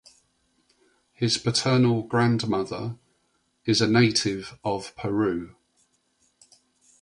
His paternal grandmother is a native of Peru.